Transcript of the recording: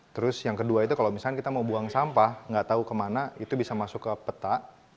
terus yang kedua itu kalau misalnya kita mau buang sampah nggak tahu kemana itu bisa masuk ke peta